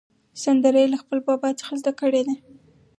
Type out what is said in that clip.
سندره یې له خپل بابا څخه زده کړې ده.